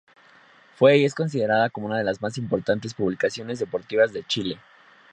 Fue y es considerada como una de las más importantes publicaciones deportivas de Chile.